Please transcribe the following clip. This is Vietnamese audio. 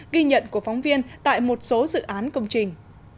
ghi nhận của phóng viên tại một số dự án công trình